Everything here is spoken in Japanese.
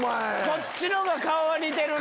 こっちの方が顔は似てるな。